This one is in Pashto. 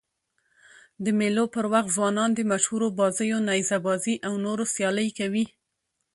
د مېلو پر وخت ځوانان د مشهورو بازيو: نیزه بازي او نورو سيالۍ کوي.